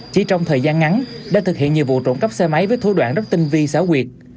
chỉ trong thời gian ngắn đã thực hiện nhiều vụ trộm cắp xe máy với thủ đoạn rất tinh vi xảo quyệt